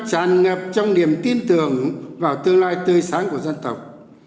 sức xuân đang tràn ngập trong niềm tin tưởng vào tương lai tươi sáng của dân tộc